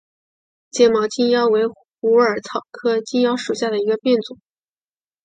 睫毛金腰为虎耳草科金腰属下的一个变种。